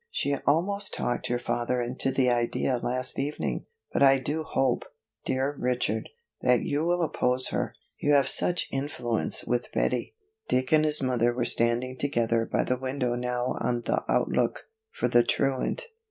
She almost talked your father into the idea last evening, but I do hope, dear Richard, that you will oppose her. You have such influence with Betty." Dick and his mother were standing together by the window now on the lookout, for the truant.